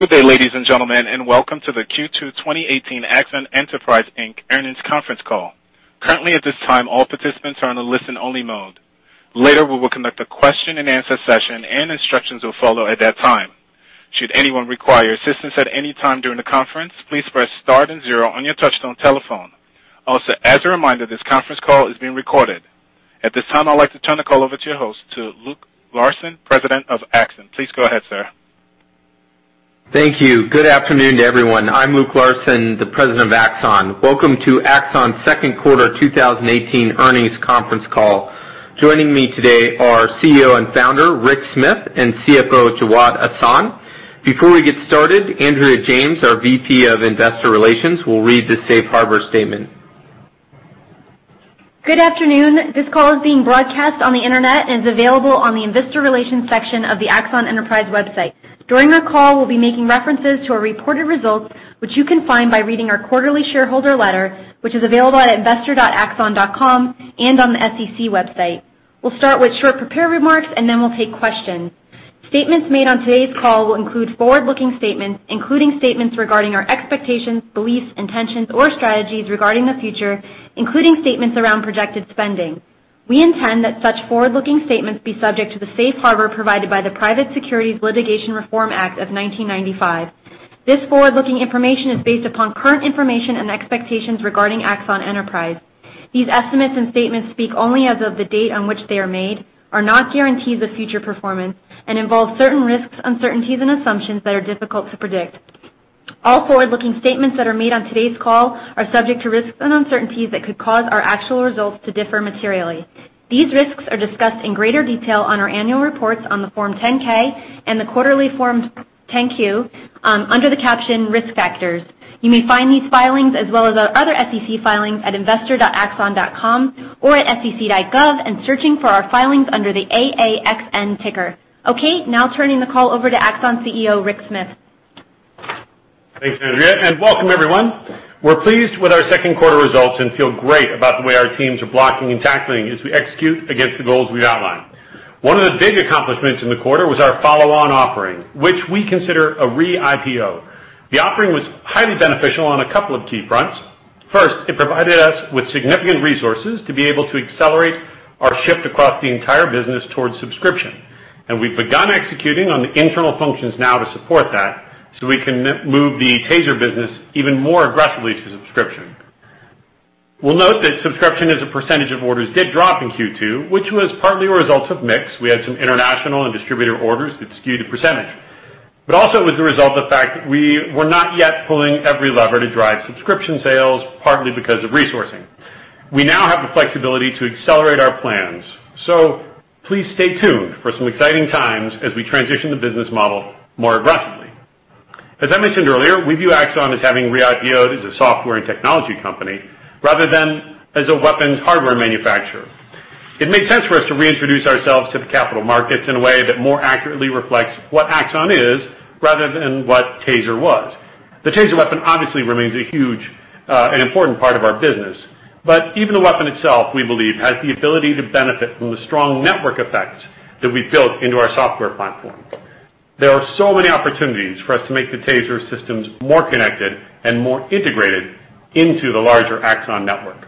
Good day, ladies and gentlemen, and welcome to the Q2 2018 Axon Enterprise, Inc. Earnings Conference Call. Currently, at this time, all participants are on a listen-only mode. Later, we will conduct a question-and-answer session, and instructions will follow at that time. Should anyone require assistance at any time during the conference, please press star and zero on your touch-tone telephone. Also, as a reminder, this conference call is being recorded. At this time, I'd like to turn the call over to your host, to Luke Larson, President of Axon. Please go ahead, sir. Thank you. Good afternoon to everyone. I'm Luke Larson, the President of Axon. Welcome to Axon's second quarter 2018 earnings conference call. Joining me today are CEO and Founder, Rick Smith, and CFO, Jawad Ahsan. Before we get started, Andrea James, our VP of Investor Relations, will read the safe harbor statement. Good afternoon. This call is being broadcast on the internet and is available on the investor relations section of the Axon Enterprise website. During our call, we'll be making references to our reported results, which you can find by reading our quarterly shareholder letter, which is available at investor.axon.com and on the SEC website. We'll start with short prepared remarks. Then we'll take questions. Statements made on today's call will include forward-looking statements, including statements regarding our expectations, beliefs, intentions, or strategies regarding the future, including statements around projected spending. We intend that such forward-looking statements be subject to the safe harbor provided by the Private Securities Litigation Reform Act of 1995. This forward-looking information is based upon current information and expectations regarding Axon Enterprise. These estimates and statements speak only as of the date on which they are made, are not guarantees of future performance, and involve certain risks, uncertainties, and assumptions that are difficult to predict. All forward-looking statements that are made on today's call are subject to risks and uncertainties that could cause our actual results to differ materially. These risks are discussed in greater detail on our annual reports on the Form 10-K and the quarterly Form 10-Q under the caption Risk Factors. You may find these filings, as well as our other SEC filings, at investor.axon.com or at sec.gov and searching for our filings under the AAXN ticker. Okay, now turning the call over to Axon CEO, Rick Smith. Thanks, Andrea, and welcome everyone. We're pleased with our second quarter results and feel great about the way our teams are blocking and tackling as we execute against the goals we've outlined. One of the big accomplishments in the quarter was our follow-on offering, which we consider a re-IPO. The offering was highly beneficial on a couple of key fronts. First, it provided us with significant resources to be able to accelerate our shift across the entire business towards subscription, and we've begun executing on the internal functions now to support that, so we can move the TASER business even more aggressively to subscription. We'll note that subscription as a percentage of orders did drop in Q2, which was partly a result of mix. We had some international and distributor orders that skewed the percentage, also it was a result of the fact that we were not yet pulling every lever to drive subscription sales, partly because of resourcing. We now have the flexibility to accelerate our plans. Please stay tuned for some exciting times as we transition the business model more aggressively. As I mentioned earlier, we view Axon as having re-IPOed as a software and technology company, rather than as a weapons hardware manufacturer. It made sense for us to reintroduce ourselves to the capital markets in a way that more accurately reflects what Axon is rather than what TASER was. The TASER weapon obviously remains a huge and important part of our business. Even the weapon itself, we believe, has the ability to benefit from the strong network effects that we've built into our software platform. There are so many opportunities for us to make the TASER systems more connected and more integrated into the larger Axon network.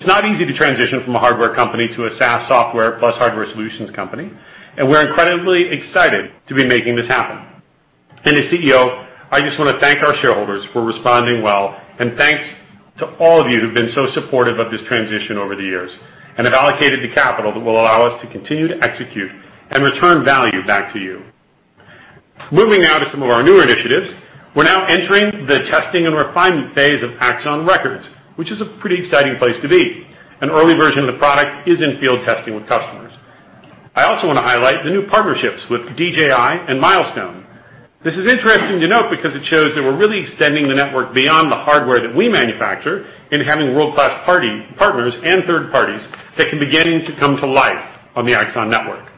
It's not easy to transition from a hardware company to a SaaS software plus hardware solutions company, we're incredibly excited to be making this happen. As CEO, I just want to thank our shareholders for responding well, and thanks to all of you who've been so supportive of this transition over the years and have allocated the capital that will allow us to continue to execute and return value back to you. Moving now to some of our newer initiatives. We're now entering the testing and refinement phase of Axon Records, which is a pretty exciting place to be. An early version of the product is in field testing with customers. I also want to highlight the new partnerships with DJI and Milestone. This is interesting to note because it shows that we're really extending the network beyond the hardware that we manufacture and having world-class partners and third parties that can beginning to come to life on the Axon network.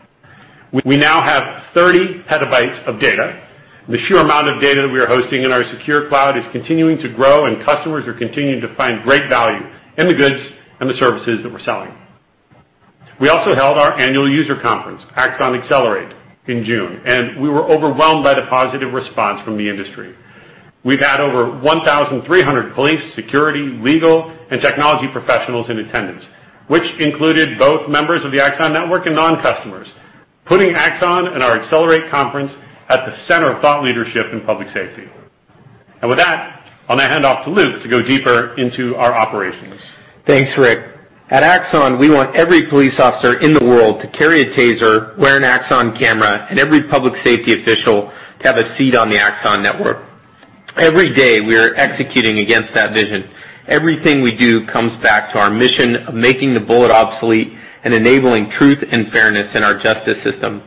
We now have 30 petabytes of data. The sheer amount of data that we are hosting in our secure cloud is continuing to grow, customers are continuing to find great value in the goods and the services that we're selling. We also held our annual user conference, Axon Accelerate, in June, we were overwhelmed by the positive response from the industry. We've had over 1,300 police, security, legal, and technology professionals in attendance, which included both members of the Axon network and non-customers, putting Axon and our Accelerate conference at the center of thought leadership in public safety. With that, I'll now hand off to Luke to go deeper into our operations. Thanks, Rick. At Axon, we want every police officer in the world to carry a TASER, wear an Axon camera, and every public safety official to have a seat on the Axon network. Every day, we are executing against that vision. Everything we do comes back to our mission of making the bullet obsolete and enabling truth and fairness in our justice system.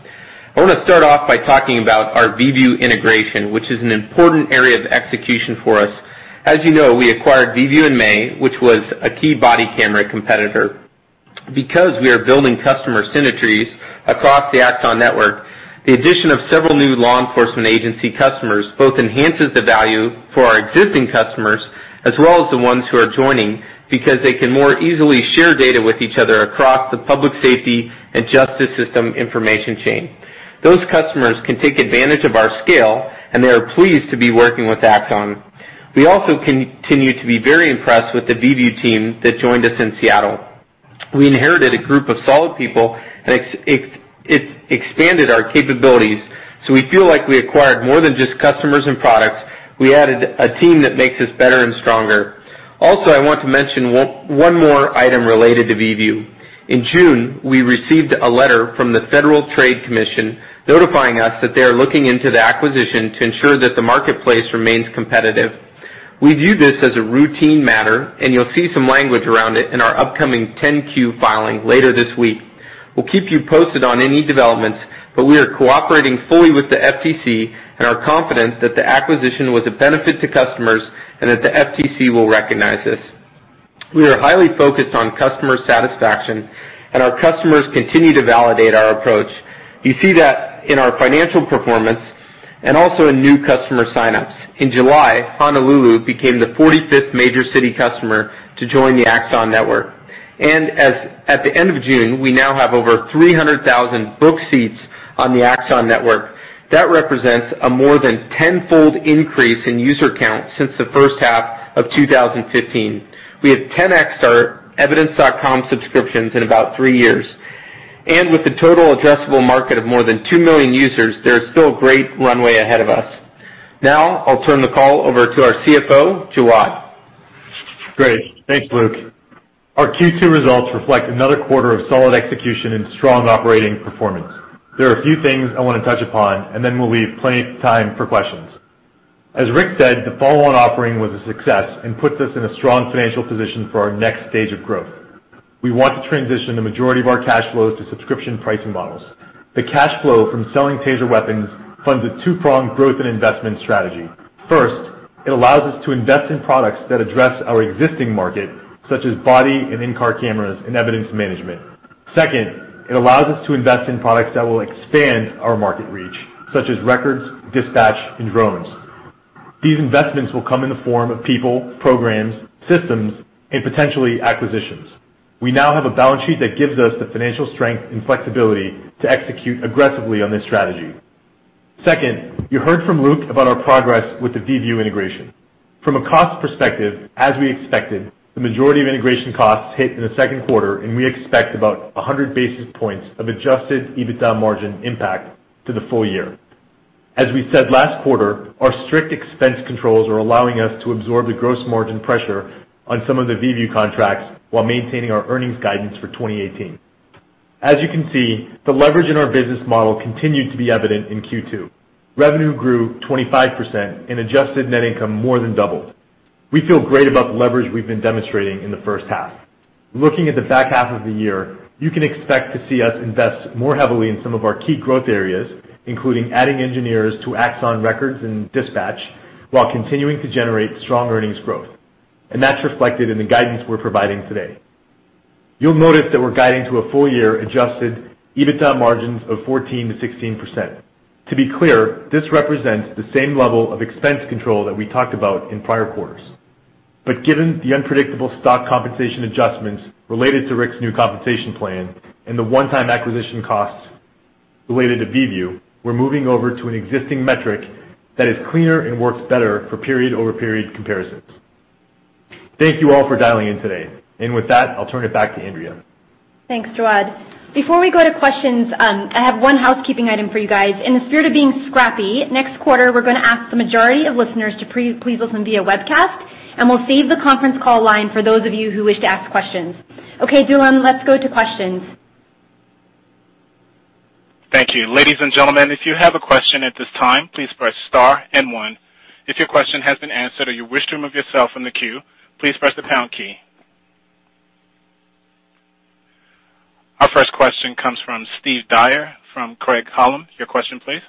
I want to start off by talking about our Vievu integration, which is an important area of execution for us. As you know, we acquired Vievu in May, which was a key body camera competitor. We are building customer synergies across the Axon network, the addition of several new law enforcement agency customers both enhances the value for our existing customers as well as the ones who are joining because they can more easily share data with each other across the public safety and justice system information chain. Those customers can take advantage of our scale, and they are pleased to be working with Axon. We also continue to be very impressed with the Vievu team that joined us in Seattle. We inherited a group of solid people, and it expanded our capabilities. We feel like we acquired more than just customers and products. We added a team that makes us better and stronger. I want to mention one more item related to Vievu. In June, we received a letter from the Federal Trade Commission notifying us that they are looking into the acquisition to ensure that the marketplace remains competitive. We view this as a routine matter, and you'll see some language around it in our upcoming 10-Q filing later this week. We'll keep you posted on any developments. We are cooperating fully with the FTC and are confident that the acquisition was a benefit to customers and that the FTC will recognize this. We are highly focused on customer satisfaction, and our customers continue to validate our approach. You see that in our financial performance and also in new customer sign-ups. In July, Honolulu became the 45th major city customer to join the Axon network. As at the end of June, we now have over 300,000 booked seats on the Axon network. That represents a more than tenfold increase in user count since the first half of 2015. We have 10x our evidence.com subscriptions in about three years. With a total addressable market of more than 2 million users, there is still great runway ahead of us. I'll turn the call over to our CFO, Jawad. Great. Thanks, Luke. Our Q2 results reflect another quarter of solid execution and strong operating performance. There are a few things I want to touch upon, and then we'll leave plenty of time for questions. As Rick said, the follow-on offering was a success and puts us in a strong financial position for our next stage of growth. We want to transition the majority of our cash flows to subscription pricing models. The cash flow from selling TASER weapons funds a two-pronged growth and investment strategy. First, it allows us to invest in products that address our existing market, such as body and in-car cameras and evidence management. Second, it allows us to invest in products that will expand our market reach, such as Records, Dispatch, and drones. These investments will come in the form of people, programs, systems, and potentially acquisitions. We now have a balance sheet that gives us the financial strength and flexibility to execute aggressively on this strategy. Second, you heard from Luke about our progress with the Vievu integration. From a cost perspective, as we expected, the majority of integration costs hit in the second quarter, and we expect about 100 basis points of Adjusted EBITDA margin impact to the full year. As we said last quarter, our strict expense controls are allowing us to absorb the gross margin pressure on some of the Vievu contracts while maintaining our earnings guidance for 2018. As you can see, the leverage in our business model continued to be evident in Q2. Revenue grew 25%, and adjusted net income more than doubled. We feel great about the leverage we've been demonstrating in the first half. Looking at the back half of the year, you can expect to see us invest more heavily in some of our key growth areas, including adding engineers to Axon Records and Dispatch, while continuing to generate strong earnings growth. That's reflected in the guidance we're providing today. You'll notice that we're guiding to a full-year Adjusted EBITDA margins of 14%-16%. To be clear, this represents the same level of expense control that we talked about in prior quarters. Given the unpredictable stock compensation adjustments related to Rick's new compensation plan and the one-time acquisition costs related to Vievu, we're moving over to an existing metric that is cleaner and works better for period-over-period comparisons. Thank you all for dialing in today. With that, I'll turn it back to Andrea. Thanks, Jawad. Before we go to questions, I have one housekeeping item for you guys. In the spirit of being scrappy, next quarter, we're going to ask the majority of listeners to please listen via webcast, and we'll save the conference call line for those of you who wish to ask questions. Okay, Dylan, let's go to questions. Thank you. Ladies and gentlemen, if you have a question at this time, please press star and one. If your question has been answered or you wish to remove yourself from the queue, please press the pound key. Our first question comes from Steve Dyer from Craig-Hallum. Your question, please.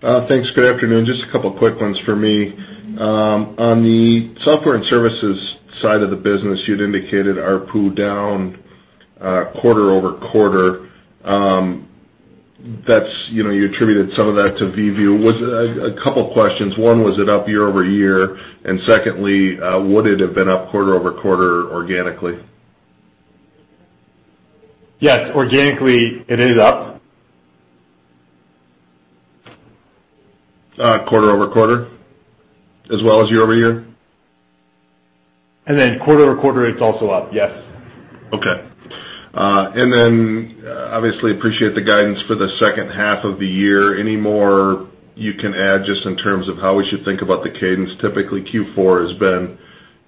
Thanks. Good afternoon. Just a couple of quick ones for me. On the software and services side of the business, you'd indicated ARPU down quarter-over-quarter. You attributed some of that to Vievu. A couple questions. One, was it up year-over-year? Secondly, would it have been up quarter-over-quarter organically? Yes, organically, it is up. Quarter-over-quarter as well as year-over-year? Quarter-over-quarter, it's also up, yes. Okay. Obviously appreciate the guidance for the second half of the year. Any more you can add just in terms of how we should think about the cadence? Typically, Q4 has been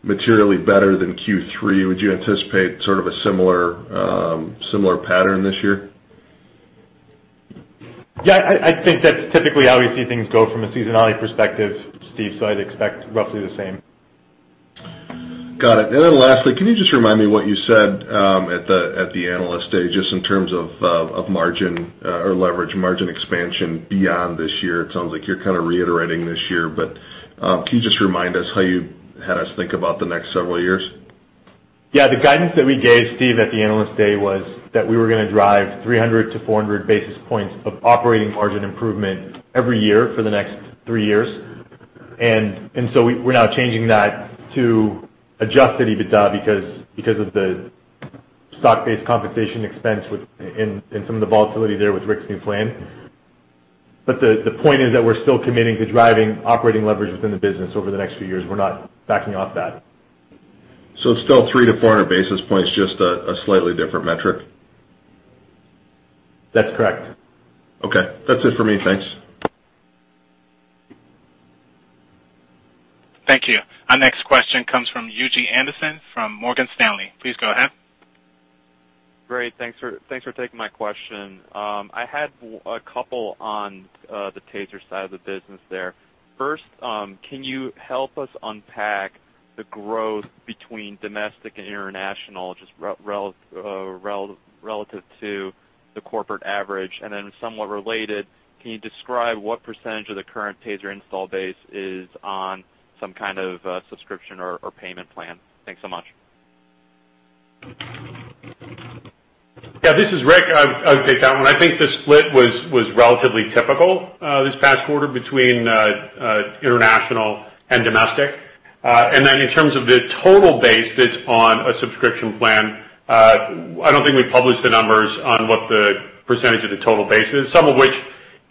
materially better than Q3. Would you anticipate sort of a similar pattern this year? Yeah, I think that's typically how we see things go from a seasonality perspective, Steve, so I'd expect roughly the same. Got it. Lastly, can you just remind me what you said at the Analyst Day, just in terms of margin or leverage margin expansion beyond this year? It sounds like you're kind of reiterating this year, but can you just remind us how you had us think about the next several years? Yeah, the guidance that we gave, Steve, at the Analyst Day was that we were going to drive 300 to 400 basis points of operating margin improvement every year for the next three years. We're now changing that to Adjusted EBITDA because of the stock-based compensation expense and some of the volatility there with Rick's new plan. The point is that we're still committing to driving operating leverage within the business over the next few years. We're not backing off that. It's still three to 400 basis points, just a slightly different metric. That's correct. Okay. That's it for me. Thanks. Thank you. Our next question comes from Yuuji Anderson from Morgan Stanley. Please go ahead. Great. Thanks for taking my question. I had a couple on the TASER side of the business there. First, can you help us unpack the growth between domestic and international, just relative to the corporate average? Somewhat related, can you describe what % of the current TASER install base is on some kind of subscription or payment plan? Thanks so much. Yeah, this is Rick. I'll take that one. I think the split was relatively typical this past quarter between international and domestic. In terms of the total base that's on a subscription plan, I don't think we published the numbers on what the % of the total base is, some of which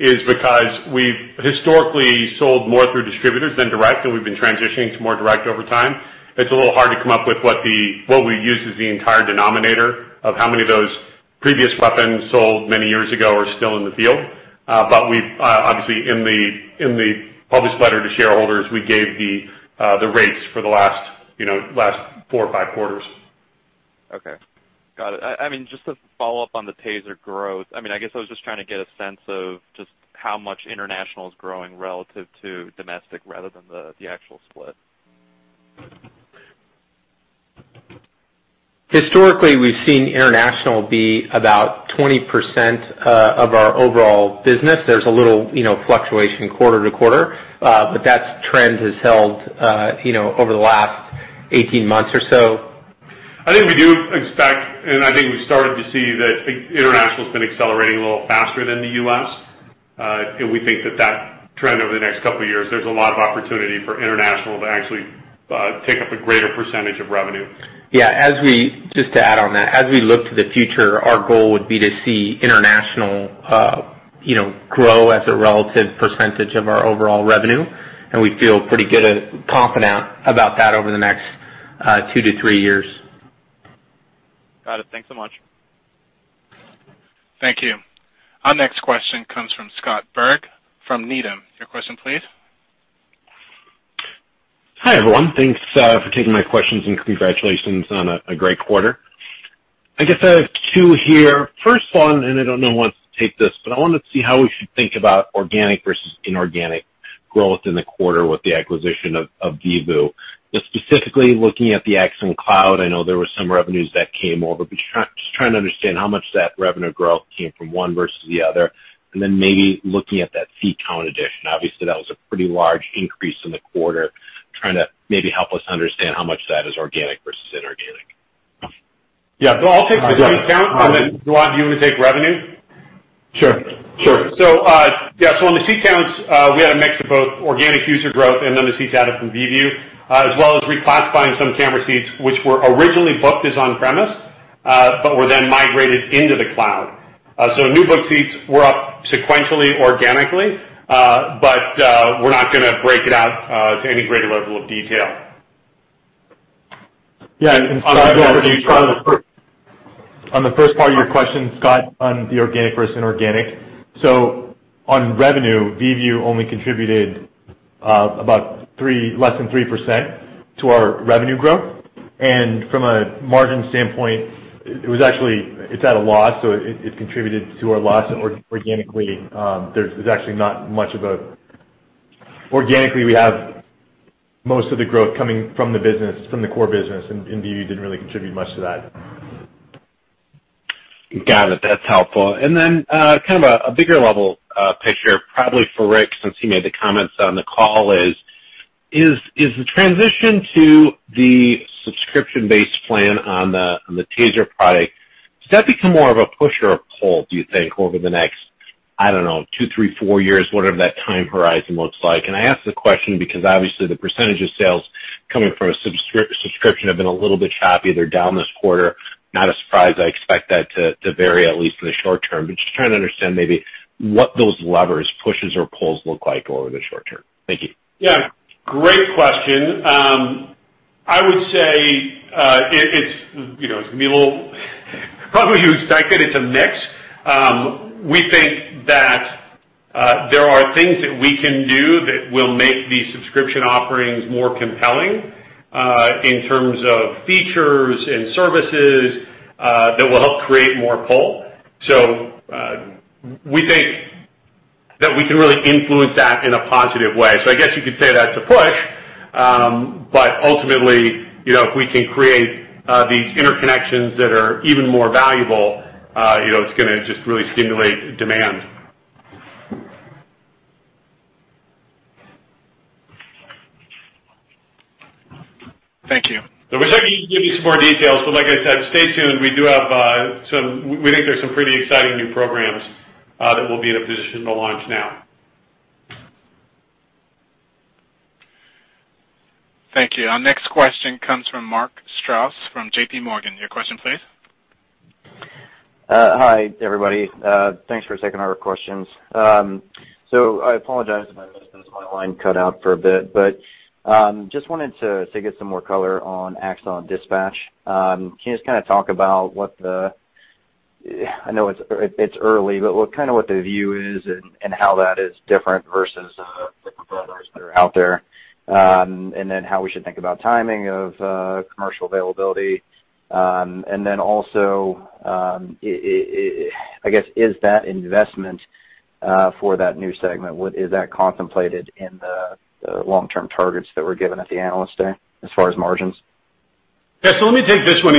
is because we've historically sold more through distributors than direct, and we've been transitioning to more direct over time. It's a little hard to come up with what we use as the entire denominator of how many of those previous weapons sold many years ago are still in the field. Obviously, in the published letter to shareholders, we gave the rates for the last four or five quarters. Okay, got it. Just to follow up on the TASER growth, I guess I was just trying to get a sense of just how much international is growing relative to domestic rather than the actual split. Historically, we've seen international be about 20% of our overall business. There's a little fluctuation quarter to quarter. That trend has held over the last 18 months or so. I think we do expect, and I think we've started to see that international's been accelerating a little faster than the U.S. We think that that trend over the next couple of years, there's a lot of opportunity for international to actually take up a greater percentage of revenue. Yeah, just to add on that, as we look to the future, our goal would be to see international grow as a relative percentage of our overall revenue, we feel pretty confident about that over the next two to three years. Got it. Thanks so much. Thank you. Our next question comes from Scott Berg from Needham. Your question please. Hi, everyone. Thanks for taking my questions. Congratulations on a great quarter. I guess I have two here. First one, I don't know who wants to take this, but I wanted to see how we should think about organic versus inorganic growth in the quarter with the acquisition of Vievu. Specifically looking at the Axon Cloud, I know there were some revenues that came over, but just trying to understand how much of that revenue growth came from one versus the other. Then maybe looking at that seat count addition. Obviously, that was a pretty large increase in the quarter. Trying to maybe help us understand how much that is organic versus inorganic. Yeah. I'll take the seat count and then, Jawad, do you want to take revenue? Sure. Yeah. On the seat counts, we had a mix of both organic user growth and then the seats added from Vievu, as well as reclassifying some camera seats, which were originally booked as on-premise, but were then migrated into the cloud. New book seats were up sequentially, organically. We're not going to break it out to any greater level of detail. Yeah. On the first part of your question, Scott, on the organic versus inorganic. On revenue, Vievu only contributed about less than 3% to our revenue growth. From a margin standpoint, it's at a loss, so it contributed to our loss organically. Organically, we have most of the growth coming from the core business, and Vievu didn't really contribute much to that. Got it. That's helpful. Then kind of a bigger level picture, probably for Rick, since he made the comments on the call is the transition to the subscription-based plan on the TASER product, does that become more of a push or a pull, do you think, over the next, I don't know, two, three, four years, whatever that time horizon looks like? I ask the question because obviously the percentage of sales coming from a subscription have been a little bit choppy. They're down this quarter. Not a surprise. I expect that to vary, at least in the short term. Just trying to understand maybe what those levers, pushes, or pulls look like over the short term. Thank you. Yeah. Great question. I would say it's going to be a little probably what you expected. It's a mix. We think that there are things that we can do that will make the subscription offerings more compelling in terms of features and services that will help create more pull. We think that we can really influence that in a positive way. I guess you could say that's a push. Ultimately, if we can create these interconnections that are even more valuable, it's going to just really stimulate demand. Thank you. I wish I could give you some more details, but like I said, stay tuned. We think there's some pretty exciting new programs that we'll be in a position to launch now. Thank you. Our next question comes from Mark Strouse from JPMorgan. Your question, please. Hi, everybody. Thanks for taking our questions. I apologize if I missed this, my line cut out for a bit, but just wanted to get some more color on Axon Dispatch. Can you just talk about, I know it's early, but kind of what the view is and how that is different versus the competitors that are out there, and then how we should think about timing of commercial availability, and then also, I guess, is that investment for that new segment, is that contemplated in the long-term targets that were given at the Analyst Day as far as margins? Let me take this one.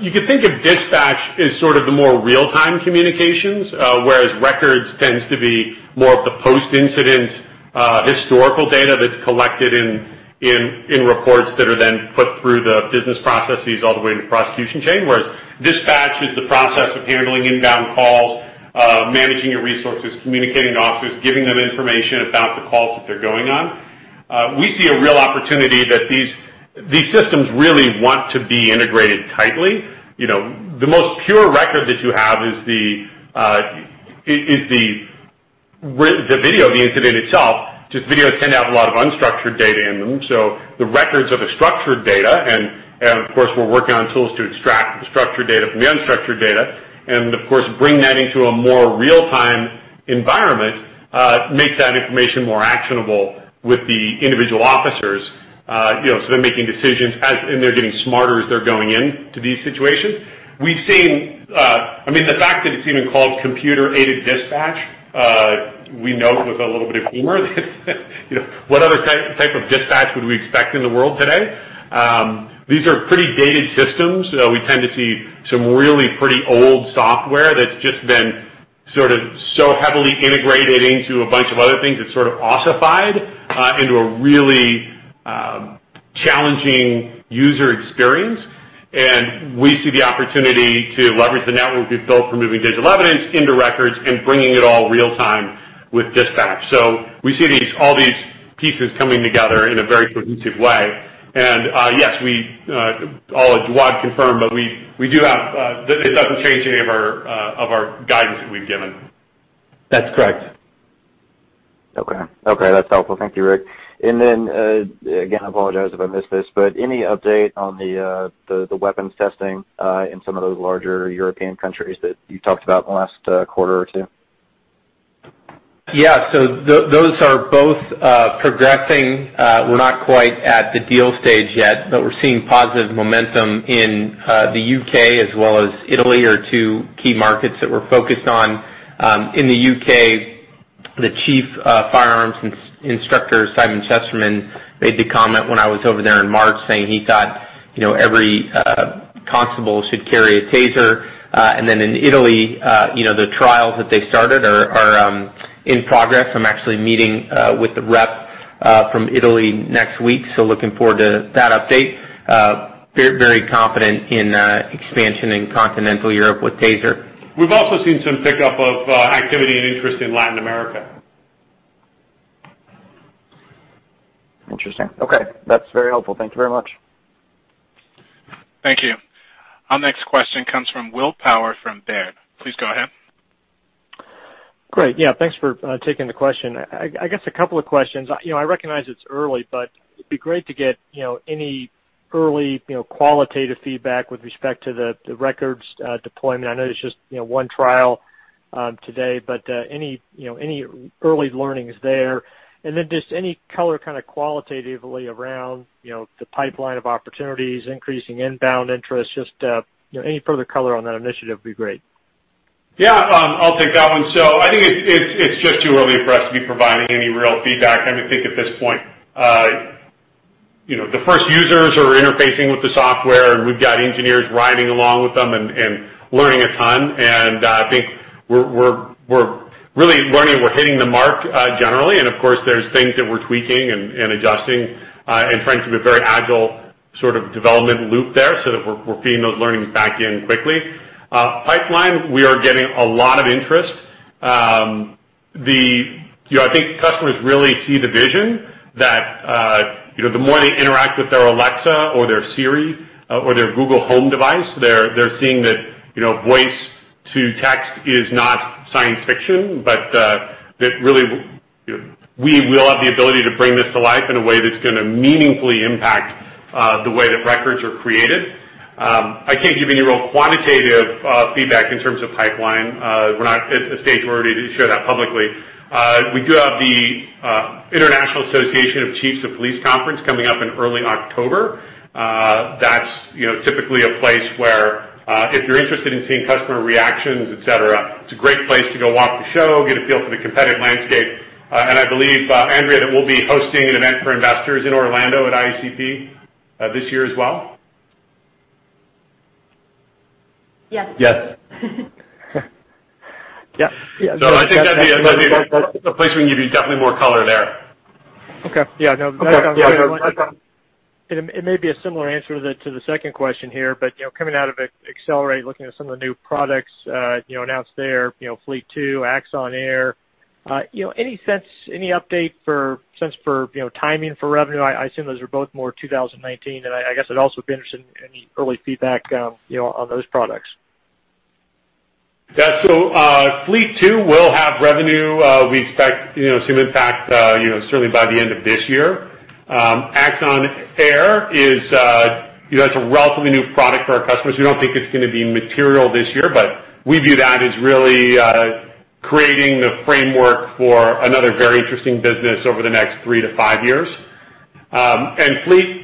You could think of Axon Dispatch as sort of the more real-time communications, whereas Axon Records tends to be more of the post-incident historical data that's collected in reports that are then put through the business processes all the way to the prosecution chain. Whereas Axon Dispatch is the process of handling inbound calls, managing your resources, communicating to officers, giving them information about the calls that they're going on. We see a real opportunity that these systems really want to be integrated tightly. The most pure record that you have is the video of the incident itself, just videos tend to have a lot of unstructured data in them. The Axon Records of a structured data. Of course, we're working on tools to extract the structured data from the unstructured data. Of course, bring that into a more real-time environment, make that information more actionable with the individual officers so they're making decisions and they're getting smarter as they're going into these situations. The fact that it's even called Computer-Aided Dispatch, we note with a little bit of humor what other type of dispatch would we expect in the world today? These are pretty dated systems. We tend to see some really pretty old software that's just been sort of so heavily integrated into a bunch of other things. It's sort of ossified into a really challenging user experience. We see the opportunity to leverage the network we've built for moving digital evidence into Axon Records and bringing it all real time with Axon Dispatch. We see all these pieces coming together in a very cohesive way. Yes, I'll let Jawad Ahsan confirm, it doesn't change any of our guidance that we've given. That's correct. Okay. That's helpful. Thank you, Rick. Then, again, I apologize if I missed this, but any update on the weapons testing in some of those larger European countries that you talked about in the last quarter or two? Yeah. Those are both progressing. We're not quite at the deal stage yet, but we're seeing positive momentum in the U.K. as well as Italy, are two key markets that we're focused on. In the U.K., the chief firearms instructor, Simon Chesterman, made the comment when I was over there in March saying he thought every constable should carry a TASER. Then in Italy, the trials that they started are in progress. I'm actually meeting with the rep from Italy next week, so looking forward to that update. Very confident in expansion in continental Europe with TASER. We've also seen some pickup of activity and interest in Latin America. Interesting. Okay. That's very helpful. Thank you very much. Thank you. Our next question comes from William Power from Baird. Please go ahead. Great. Yeah. Thanks for taking the question. I guess a couple of questions. I recognize it's early, but it'd be great to get any early qualitative feedback with respect to the Records deployment. I know it's just one trial today, but any early learnings there? Just any color kind of qualitatively around the pipeline of opportunities, increasing inbound interest, just any further color on that initiative would be great. Yeah, I'll take that one. I think it's just too early for us to be providing any real feedback. I think at this point, the first users are interfacing with the software, we've got engineers riding along with them and learning a ton. I think we're really learning, we're hitting the mark generally, of course, there's things that we're tweaking and adjusting, trying to be very agile sort of development loop there so that we're feeding those learnings back in quickly. Pipeline, we are getting a lot of interest. I think customers really see the vision that the more they interact with their Alexa or their Siri or their Google Home device, they're seeing that voice-to-text is not science fiction, but that really we will have the ability to bring this to life in a way that's going to meaningfully impact the way that records are created. I can't give any real quantitative feedback in terms of pipeline. We're not at a stage where we're ready to share that publicly. We do have the International Association of Chiefs of Police conference coming up in early October. That's typically a place where, if you're interested in seeing customer reactions, et cetera, it's a great place to go walk the show, get a feel for the competitive landscape. I believe, Andrea, that we'll be hosting an event for investors in Orlando at IACP this year as well? Yes. Yes. Yeah. I think that's a place we can give you definitely more color there. Okay. Yeah, no. Yeah. It may be a similar answer to the second question here, but coming out of Axon Accelerate, looking at some of the new products announced there, Axon Fleet 2, Axon Air. Any update for timing for revenue? I assume those are both more 2019, and I guess I'd also be interested in any early feedback on those products. Yeah. Fleet 2 will have revenue, we expect to impact certainly by the end of this year. Axon Air is a relatively new product for our customers. We don't think it's going to be material this year, but we view that as really creating the framework for another very interesting business over the next three to five years. Fleet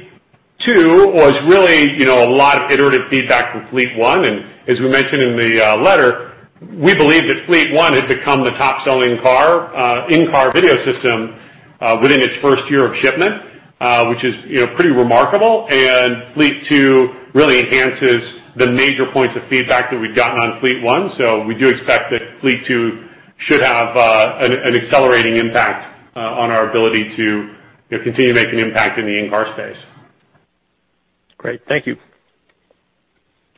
2 was really a lot of iterative feedback from Fleet 1, and as we mentioned in the letter, we believe that Fleet 1 had become the top-selling in-car video system within its first year of shipment, which is pretty remarkable. Fleet 2 really enhances the major points of feedback that we've gotten on Fleet 1. We do expect that Fleet 2 should have an accelerating impact on our ability to continue making an impact in the in-car space. Great. Thank you.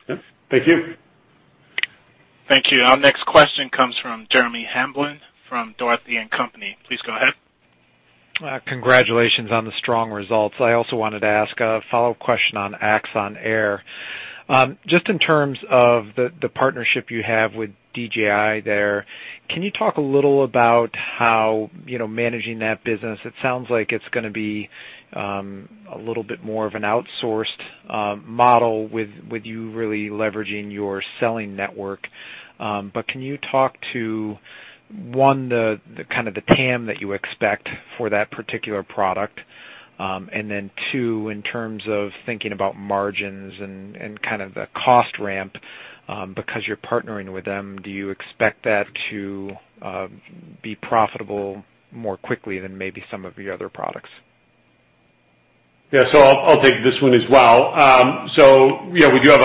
Yeah. Thank you. Thank you. Our next question comes from Jeremy Hamblin from Dougherty & Company. Please go ahead. Congratulations on the strong results. I also wanted to ask a follow-up question on Axon Air. Just in terms of the partnership you have with DJI there, can you talk a little about how managing that business, it sounds like it's going to be a little bit more of an outsourced model with you really leveraging your selling network. Can you talk to, one, the kind of the TAM that you expect for that particular product? Two, in terms of thinking about margins and kind of the cost ramp, because you're partnering with them, do you expect that to be profitable more quickly than maybe some of your other products? Yeah. I'll take this one as well. Yeah, we do have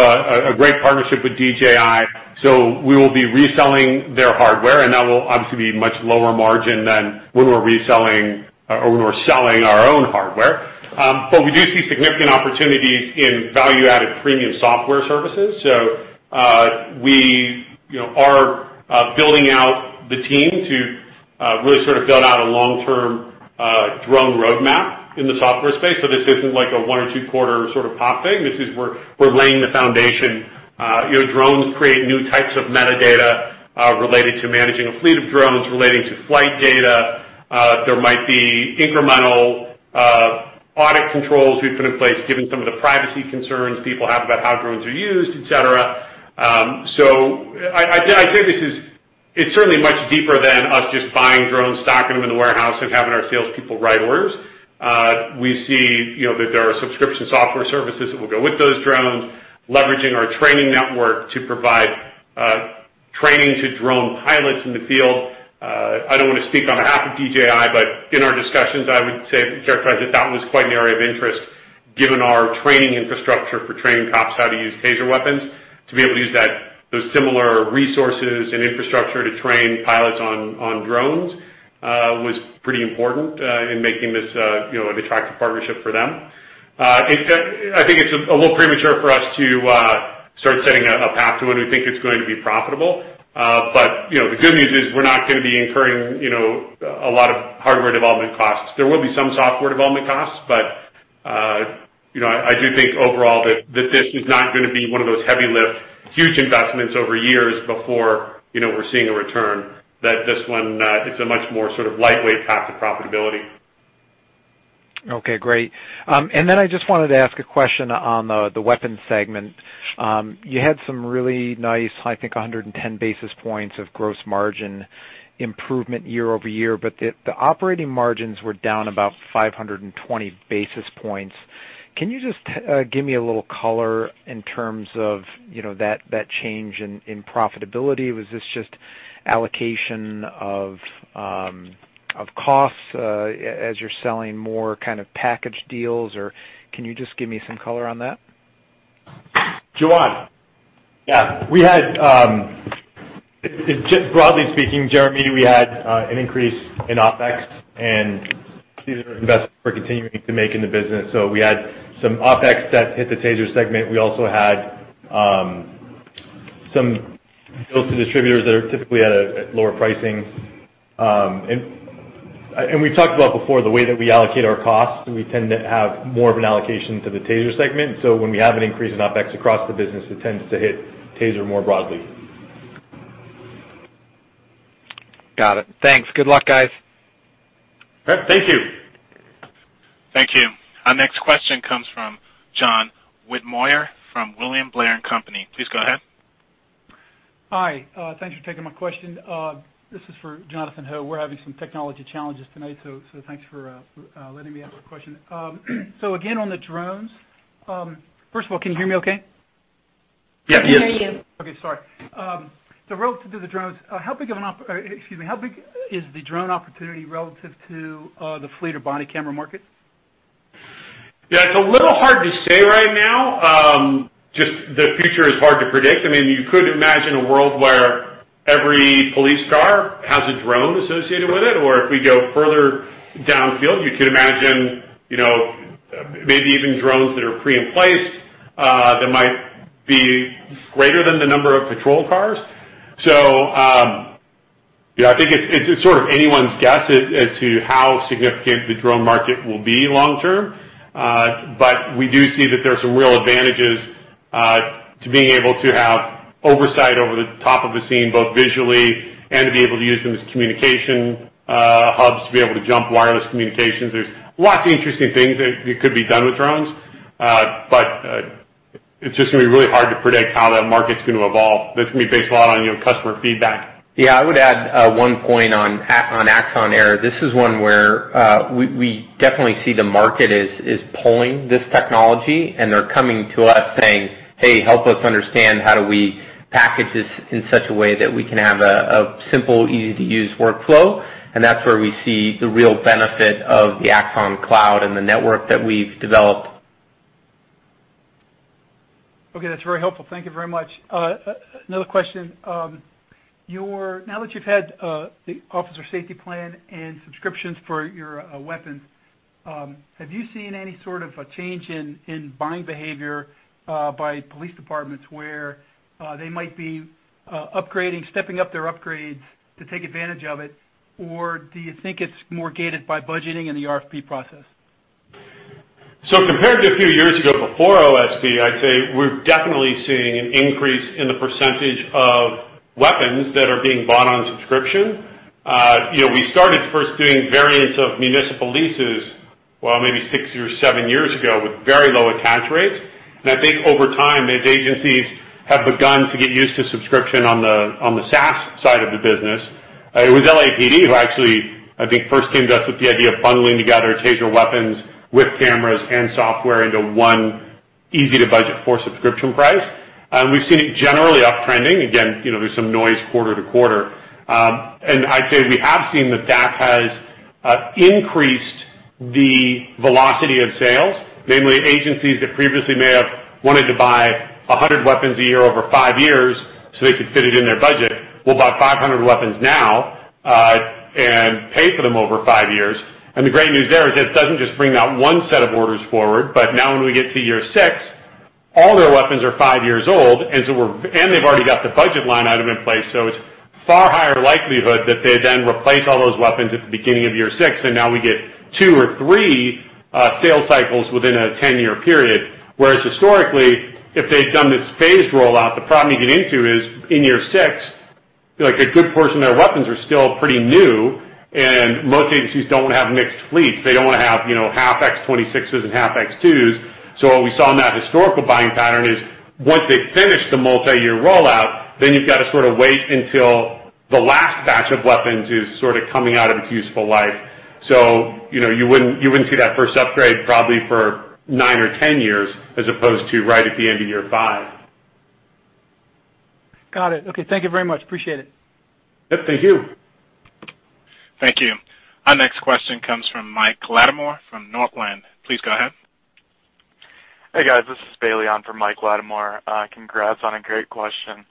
a great partnership with DJI. We will be reselling their hardware, and that will obviously be much lower margin than when we're reselling or when we're selling our own hardware. We do see significant opportunities in value-added premium software services. We are building out the team to really sort of build out a long-term drone roadmap in the software space. This isn't like a one or two-quarter sort of pop thing. This is we're laying the foundation. Drones create new types of metadata related to managing a fleet of drones, relating to flight data. There might be incremental audit controls we put in place given some of the privacy concerns people have about how drones are used, et cetera. I think it's certainly much deeper than us just buying drones, stocking them in the warehouse, and having our salespeople write orders. We see that there are subscription software services that will go with those drones, leveraging our training network to provide training to drone pilots in the field. I don't want to speak on behalf of DJI, but in our discussions, I would characterize it that was quite an area of interest given our training infrastructure for training cops how to use TASER weapons. To be able to use those similar resources and infrastructure to train pilots on drones was pretty important in making this an attractive partnership for them. I think it's a little premature for us to start setting a path to when we think it's going to be profitable. The good news is we're not going to be incurring a lot of hardware development costs. There will be some software development costs, but I do think overall that this is not going to be one of those heavy lift, huge investments over years before we're seeing a return, that this one it's a much more sort of lightweight path to profitability. Okay, great. I just wanted to ask a question on the weapons segment. You had some really nice, I think, 110 basis points of gross margin improvement year-over-year, but the operating margins were down about 520 basis points. Can you just give me a little color in terms of that change in profitability? Was this just allocation of costs as you're selling more kind of package deals, or can you just give me some color on that? Jawad? Yeah. Broadly speaking, Jeremy, we had an increase in OpEx. These are investments we're continuing to make in the business. We had some OpEx that hit the TASER segment. We also had some sales to distributors that are typically at lower pricing. We talked about before, the way that we allocate our costs, we tend to have more of an allocation to the TASER segment. When we have an increase in OpEx across the business, it tends to hit TASER more broadly. Got it. Thanks. Good luck, guys. Yep, thank you. Thank you. Our next question comes from John Weidemoyer from William Blair & Company. Please go ahead. Hi. Thanks for taking my question. This is for Jonathan Ho. We are having some technology challenges tonight, so thanks for letting me ask a question. Again, on the drones. First of all, can you hear me okay? Yeah. Okay, sorry. Relative to the drones, how big is the drone opportunity relative to the fleet of body camera market? Yeah, it is a little hard to say right now. Just the future is hard to predict. You could imagine a world where every police car has a drone associated with it, or if we go further downfield, you could imagine maybe even drones that are pre-in-place that might be greater than the number of patrol cars. I think it is sort of anyone's guess as to how significant the drone market will be long term. We do see that there are some real advantages to being able to have oversight over the top of a scene, both visually and to be able to use them as communication hubs, to be able to jump wireless communications. There is lots of interesting things that could be done with drones. It is just going to be really hard to predict how that market is going to evolve. That's going to be based a lot on your customer feedback. Yeah, I would add one point on Axon Air. This is one where we definitely see the market is pulling this technology, and they're coming to us saying, "Hey, help us understand how do we package this in such a way that we can have a simple, easy-to-use workflow." That's where we see the real benefit of the Axon Cloud and the network that we've developed. Okay, that's very helpful. Thank you very much. Another question. Now that you've had the Officer Safety Plan and subscriptions for your weapons, have you seen any sort of a change in buying behavior by police departments where they might be upgrading, stepping up their upgrades to take advantage of it? Or do you think it's more gated by budgeting and the RFP process? Compared to a few years ago before OSP, I'd say we're definitely seeing an increase in the percentage of weapons that are being bought on subscription. We started first doing variants of municipal leases, maybe six or seven years ago, with very low attach rates. I think over time, as agencies have begun to get used to subscription on the SaaS side of the business, it was LAPD who actually, I think, first came to us with the idea of bundling together TASER weapons with cameras and software into one easy-to-budget-for subscription price. We've seen it generally uptrending. Again, there's some noise quarter to quarter. I'd say we have seen that that has increased the velocity of sales. Namely, agencies that previously may have wanted to buy 100 weapons a year over 5 years so they could fit it in their budget, will buy 500 weapons now, and pay for them over 5 years. The great news there is it doesn't just bring that one set of orders forward, but now when we get to year six, all their weapons are 5 years old, and they've already got the budget line item in place, it's far higher likelihood that they then replace all those weapons at the beginning of year six, and now we get two or three sale cycles within a 10-year period. Whereas historically, if they'd done this phased rollout, the problem you get into is in year six, a good portion of their weapons are still pretty new, and most agencies don't want to have mixed fleets. They don't want to have half X26s and half X2s. What we saw in that historical buying pattern is once they finish the multi-year rollout, then you've got to sort of wait until the last batch of weapons is sort of coming out of its useful life. You wouldn't see that first upgrade probably for nine or 10 years, as opposed to right at the end of year five. Got it. Okay. Thank you very much. Appreciate it. Yep, thank you. Thank you. Our next question comes from Mike Latimore from Northland. Please go ahead. Hey, guys. This is Bailey on for Michael Latimore. Congrats on a great question.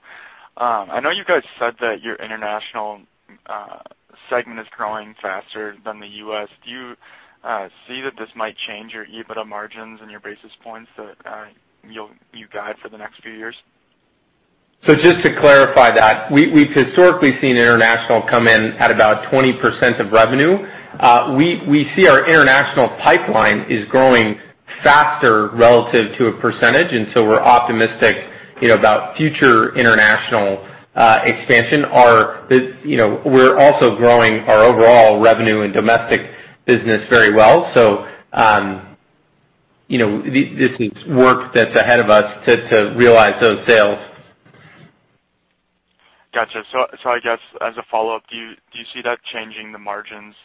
I know you guys said that your international segment is growing faster than the U.S. Do you see that this might change your EBITDA margins and your basis points that you guide for the next few years? Just to clarify that, we've historically seen international come in at about 20% of revenue. We see our international pipeline is growing faster relative to a percentage, and so we're optimistic about future international expansion. We're also growing our overall revenue and domestic business very well. This is work that's ahead of us to realize those sales. Got you. I guess as a follow-up, do you see that changing the margins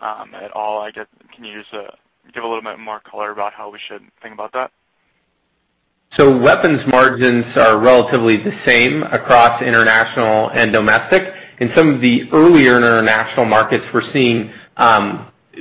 at all? I guess, can you just give a little bit more color about how we should think about that? Weapons margins are relatively the same across international and domestic. In some of the earlier international markets, we're seeing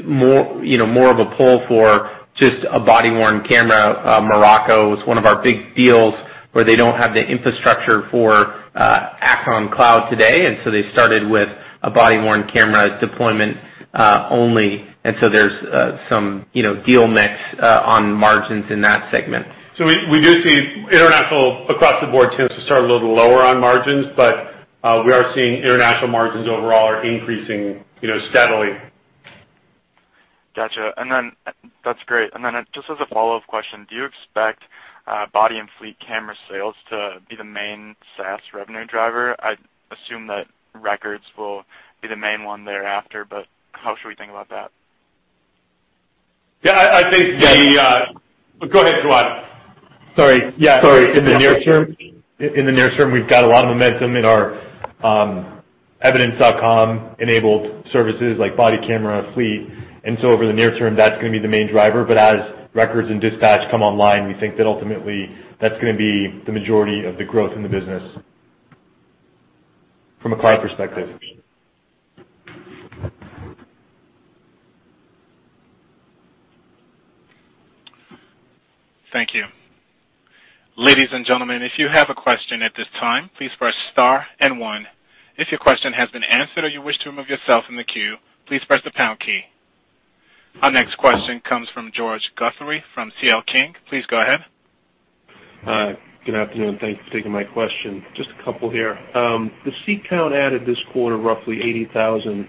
more of a pull for just a body-worn camera. Morocco is one of our big deals where they don't have the infrastructure for Axon Cloud today, they started with a body-worn camera deployment only. There's some deal mix on margins in that segment. We do see international across the board tends to start a little lower on margins, but we are seeing international margins overall are increasing steadily. Got you. That's great. Just as a follow-up question, do you expect body and fleet camera sales to be the main SaaS revenue driver? I assume that records will be the main one thereafter, but how should we think about that? Yeah, I think the- Yeah. Go ahead, Jawad. Sorry. Yeah. Sorry. In the near term, we've got a lot of momentum in our Evidence.com-enabled services like body camera fleet. Over the near term, that's going to be the main driver, but as Records and Dispatch come online, we think that ultimately that's going to be the majority of the growth in the business from a cloud perspective. Thank you. Ladies and gentlemen, if you have a question at this time, please press star and one. If your question has been answered or you wish to remove yourself from the queue, please press the pound key. Our next question comes from George Guthrie from C.L. King. Please go ahead. Hi. Good afternoon. Thanks for taking my question. Just a couple here. The seat count added this quarter, roughly 80,000.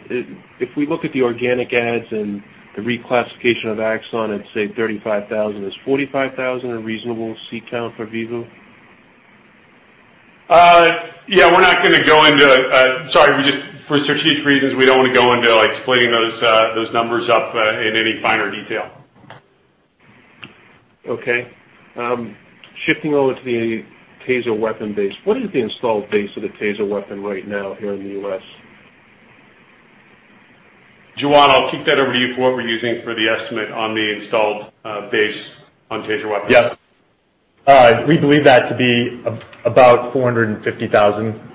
If we look at the organic adds and the reclassification of Axon at, say, 35,000, is 45,000 a reasonable seat count for Vievu? Yeah. Sorry, for strategic reasons, we don't want to go into explaining those numbers up in any finer detail. Okay. Shifting over to the TASER weapon base. What is the installed base of the TASER weapon right now here in the U.S.? Jawad, I'll kick that over to you for what we're using for the estimate on the installed base on TASER weapons. Yes. We believe that to be about 450,000.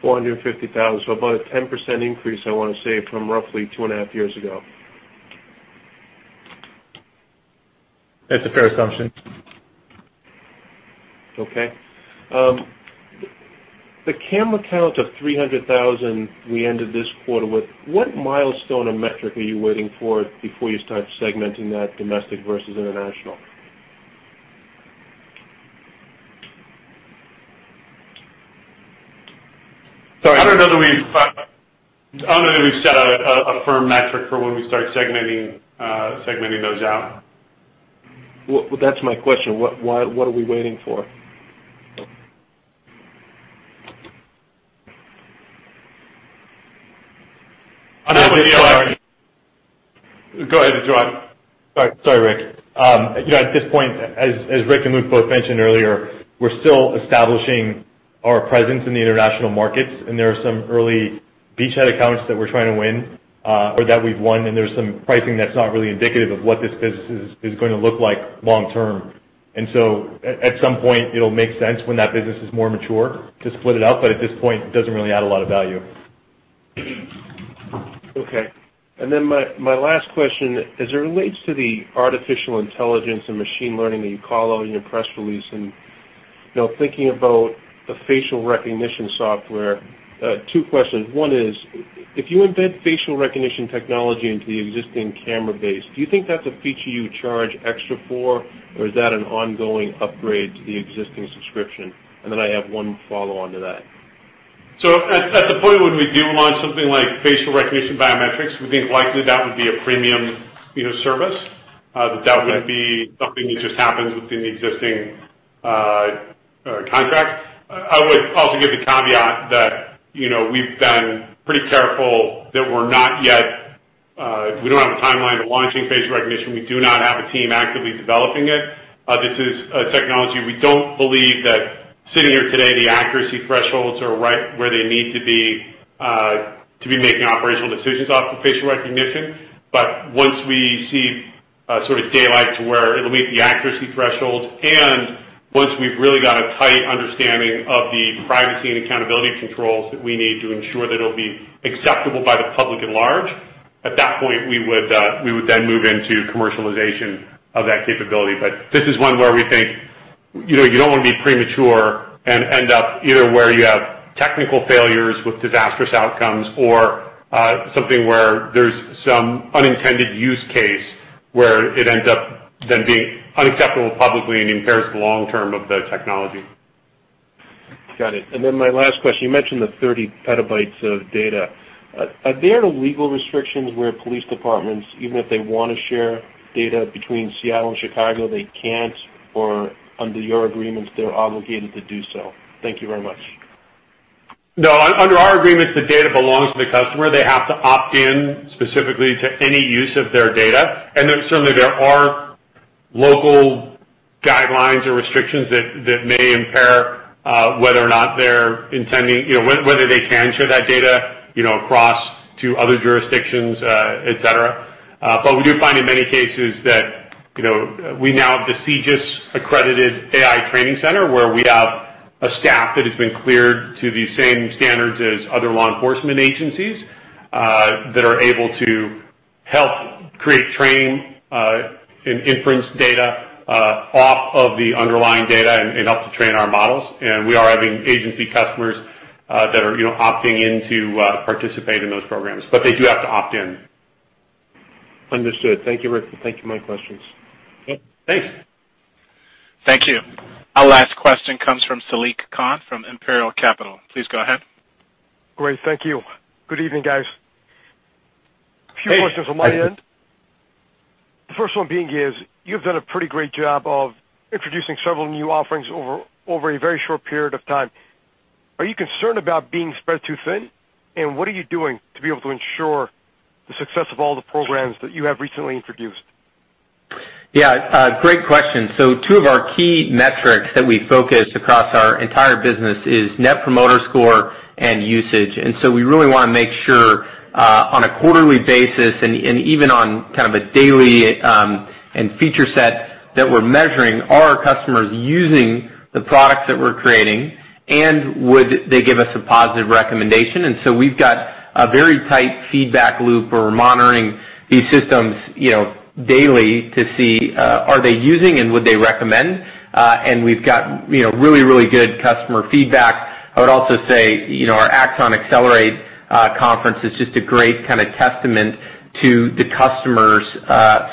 450,000. About a 10% increase, I want to say, from roughly two and a half years ago. That's a fair assumption. Okay. The camera count of 300,000 we ended this quarter with, what milestone or metric are you waiting for before you start segmenting that domestic versus international? Sorry. I don't know that we've set a firm metric for when we start segmenting those out. Well, that's my question. What are we waiting for? Go ahead, Juan. Sorry, Rick. At this point, as Rick and Luke both mentioned earlier, we're still establishing our presence in the international markets, and there are some early beachhead accounts that we're trying to win, or that we've won, and there's some pricing that's not really indicative of what this business is going to look like long term. At some point it'll make sense when that business is more mature to split it out, at this point, it doesn't really add a lot of value. Okay. My last question, as it relates to the artificial intelligence and machine learning that you call out in your press release, and thinking about the facial recognition software, two questions. One is, if you embed facial recognition technology into the existing camera base, do you think that's a feature you charge extra for, or is that an ongoing upgrade to the existing subscription? I have one follow-on to that. At the point when we do launch something like facial recognition biometrics, we think likely that would be a premium service. Okay. That wouldn't be something that just happens within the existing contracts. I would also give the caveat that we've been pretty careful that we don't have a timeline to launching facial recognition. We do not have a team actively developing it. This is a technology we don't believe that sitting here today, the accuracy thresholds are right where they need to be to be making operational decisions off of facial recognition. Once we see sort of daylight to where it'll meet the accuracy thresholds, and once we've really got a tight understanding of the privacy and accountability controls that we need to ensure that it'll be acceptable by the public at large, at that point, we would then move into commercialization of that capability. This is one where we think you don't want to be premature and end up either where you have technical failures with disastrous outcomes or something where there's some unintended use case where it ends up then being unacceptable publicly and impairs the long term of the technology. Got it. My last question, you mentioned the 30 petabytes of data. Are there legal restrictions where police departments, even if they want to share data between Seattle and Chicago, they can't, or under your agreements, they're obligated to do so? Thank you very much. No, under our agreements, the data belongs to the customer. They have to opt in specifically to any use of their data. Certainly there are local guidelines or restrictions that may impair whether they can share that data across to other jurisdictions, et cetera. We do find in many cases that we now have the CJIS accredited AI training center where we have a staff that has been cleared to the same standards as other law enforcement agencies, that are able to help create, train, and inference data off of the underlying data and help to train our models. We are having agency customers that are opting in to participate in those programs. They do have to opt in. Understood. Thank you, Rick. Thank you. My questions. Yep, thanks. Thank you. Our last question comes from Saliq Khan from Imperial Capital. Please go ahead. Great, thank you. Good evening, guys. Hey. Hey. A few questions on my end. The first one being is, you've done a pretty great job of introducing several new offerings over a very short period of time. Are you concerned about being spread too thin? What are you doing to be able to ensure the success of all the programs that you have recently introduced? Yeah. Great question. Two of our key metrics that we focus across our entire business is Net Promoter Score and usage. We really want to make sure on a quarterly basis and even on kind of a daily and feature set that we're measuring are our customers using the products that we're creating and would they give us a positive recommendation? We've got a very tight feedback loop. We're monitoring these systems daily to see are they using and would they recommend, and we've got really good customer feedback. I would also say our Axon Accelerate conference is just a great kind of testament to the customer's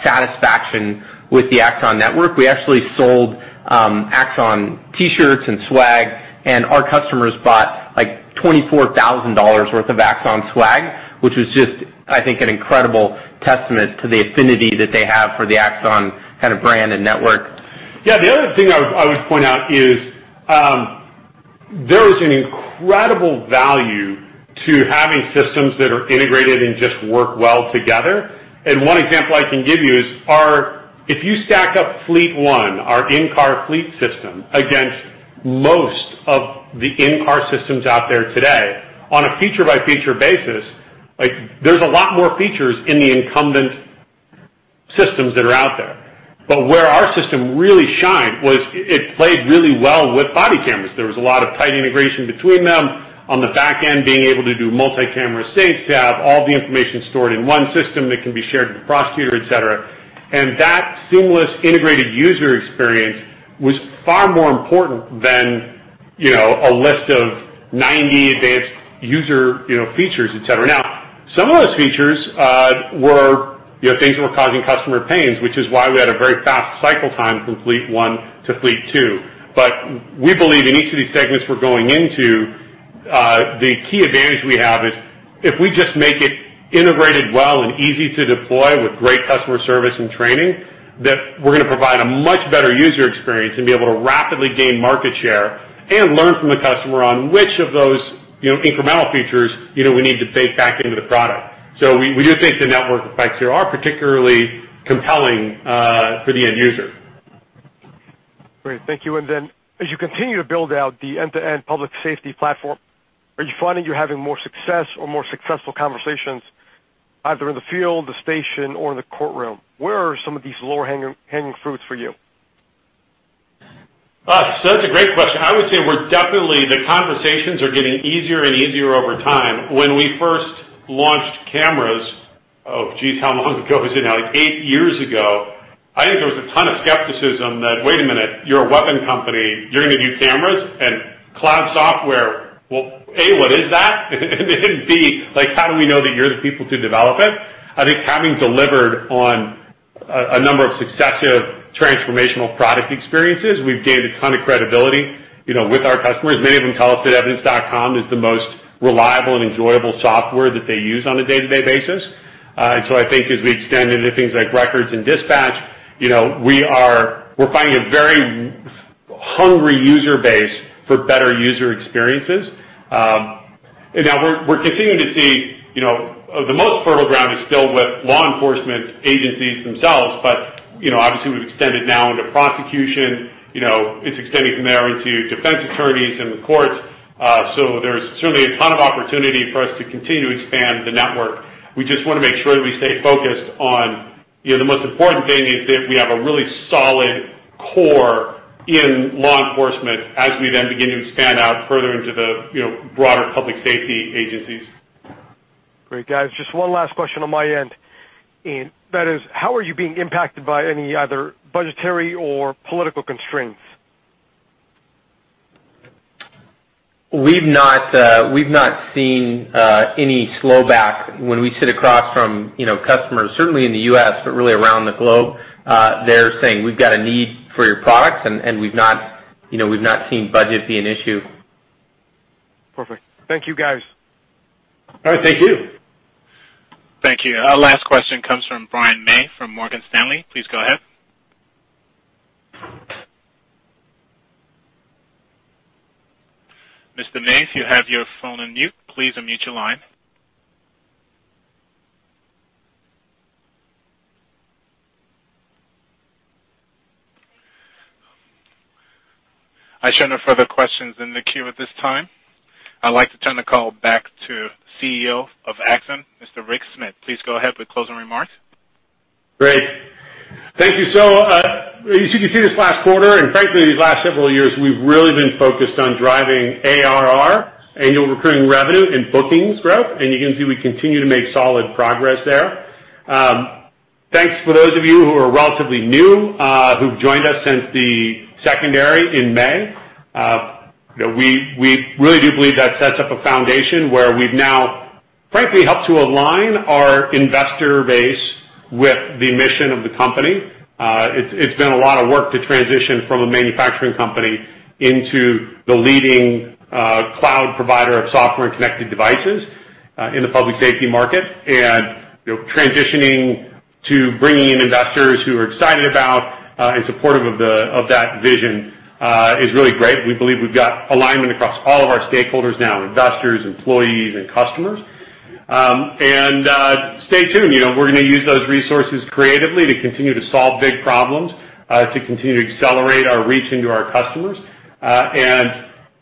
satisfaction with the Axon Network. We actually sold Axon T-shirts and swag, and our customers bought $24,000 worth of Axon swag, which was just, I think, an incredible testament to the affinity that they have for the Axon kind of brand and network. Yeah. The other thing I would point out is there is an incredible value to having systems that are integrated and just work well together. One example I can give you is if you stack up FleetOne, our in-car fleet system, against most of the in-car systems out there today on a feature-by-feature basis, there's a lot more features in the incumbent systems that are out there. Where our system really shined was it played really well with body cameras. There was a lot of tight integration between them, on the back end being able to do multi-camera sync, to have all the information stored in one system that can be shared with the prosecutor, et cetera. That seamless integrated user experience was far more important than a list of 90 advanced user features, et cetera. Now, some of those features were things that were causing customer pains, which is why we had a very fast cycle time from FleetOne to FleetTwo. We believe in each of these segments we're going into, the key advantage we have is if we just make it integrated well and easy to deploy with great customer service and training, that we're going to provide a much better user experience and be able to rapidly gain market share and learn from the customer on which of those incremental features we need to bake back into the product. We do think the network effects here are particularly compelling for the end user. Great. Thank you. As you continue to build out the end-to-end public safety platform, are you finding you're having more success or more successful conversations either in the field, the station, or in the courtroom? Where are some of these lower hanging fruits for you? That's a great question. I would say the conversations are getting easier and easier over time. When we first launched cameras, oh, geez, how long ago was it now? Eight years ago, I think there was a ton of skepticism that, "Wait a minute, you're a weapon company, you're going to do cameras and cloud software? Well, A, what is that? And B, how do we know that you're the people to develop it?" I think having delivered on a number of successive transformational product experiences, we've gained a ton of credibility with our customers. Many of them tell us that evidence.com is the most reliable and enjoyable software that they use on a day-to-day basis. I think as we extend into things like records and dispatch, we're finding a very hungry user base for better user experiences. Now we're continuing to see the most fertile ground is still with law enforcement agencies themselves. Obviously we've extended now into prosecution. It's extending from there into defense attorneys and the courts. There's certainly a ton of opportunity for us to continue to expand the network. We just want to make sure that we stay focused on the most important thing is that we have a really solid core in law enforcement as we then begin to expand out further into the broader public safety agencies. Great, guys. Just one last question on my end, and that is, how are you being impacted by any other budgetary or political constraints? We've not seen any slow back when we sit across from customers, certainly in the U.S., really around the globe. They're saying, "We've got a need for your products," we've not seen budget be an issue. Perfect. Thank you, guys. All right. Thank you. Thank you. Last question comes from Brian May from Morgan Stanley. Please go ahead. Mr. May, if you have your phone on mute, please unmute your line. I show no further questions in the queue at this time. I'd like to turn the call back to CEO of Axon, Mr. Rick Smith. Please go ahead with closing remarks. Great. Thank you. As you can see this last quarter, and frankly these last several years, we've really been focused on driving ARR, annual recurring revenue, and bookings growth, and you can see we continue to make solid progress there. Thanks for those of you who are relatively new, who've joined us since the secondary in May. We really do believe that sets up a foundation where we've now frankly helped to align our investor base with the mission of the company. It's been a lot of work to transition from a manufacturing company into the leading cloud provider of software and connected devices in the public safety market. Transitioning to bringing in investors who are excited about, and supportive of that vision, is really great. We believe we've got alignment across all of our stakeholders now, investors, employees, and customers. Stay tuned. We're going to use those resources creatively to continue to solve big problems, to continue to accelerate our reach into our customers.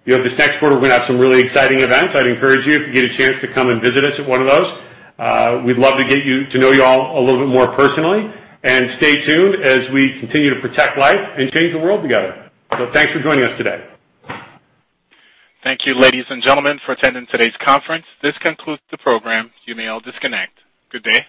This next quarter we're going to have some really exciting events. I'd encourage you, if you get a chance to come and visit us at one of those, we'd love to get to know you all a little bit more personally. Stay tuned as we continue to protect life and change the world together. Thanks for joining us today. Thank you, ladies and gentlemen, for attending today's conference. This concludes the program. You may all disconnect. Good day.